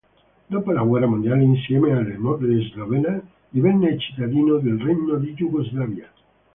Dopo la guerra mondiale, insieme alla moglie slovena, divenne cittadino del Regno di Jugoslavia.